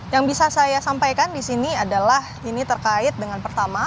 yang bisa saya sampaikan di sini adalah ini terkait dengan pertama